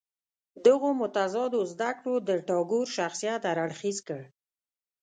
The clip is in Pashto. دغو متضادو زده کړو د ټاګور شخصیت هر اړخیز کړ.